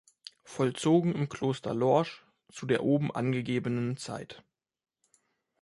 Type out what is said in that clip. Vollzogen im Kloster Lorsch zu der oben angegebenen Zeit.